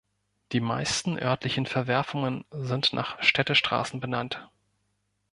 Die meisten örtlichen Verwerfungen sind nach Städtestraßen benannt.